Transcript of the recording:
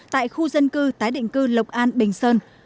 tại khu dân cư tái định cư lộc an bình sơn